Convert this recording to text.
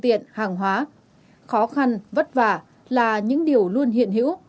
khi đêm nắng lực lượng y tế khó khăn vất vả là những điều luôn hiện hữu